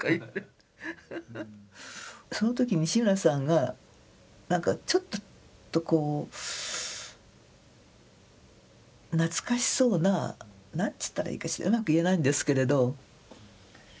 その時西村さんがなんかちょっとこう懐かしそうな何つったらいいかしらうまく言えないんですけれど。